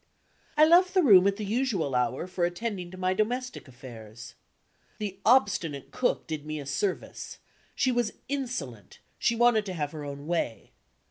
I left the room at the usual hour for attending to my domestic affairs. The obstinate cook did me a service; she was insolent; she wanted to have her own way.